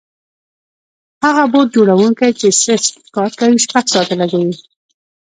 هغه بوټ جوړونکی چې سست کار کوي شپږ ساعته لګوي.